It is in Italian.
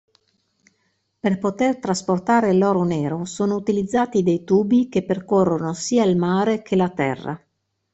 Per poter trasportare l'oro nero sono utilizzati dei tubi che percorrono sia il mare che la terra.